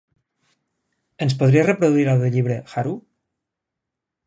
Ens podries reproduir l'audiollibre "Haru"?